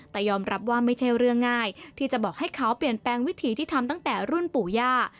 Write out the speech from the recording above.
แต่ยอมรับว่าไม่ใช่เรื่องง่ายที่จะบอกให้เขาเปลี่ยนแปลงวิถีที่ทำตั้งแต่รุ่นปู่ย่า